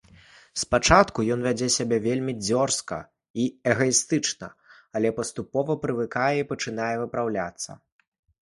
Спачатку ён вядзе сябе вельмі дзёрзка і эгаістычна, але паступова прывыкае і пачынае выпраўляцца.